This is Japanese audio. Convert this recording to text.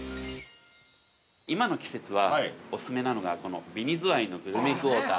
今の季節は、お勧めなのがこの紅ズワイのグルメクォーター。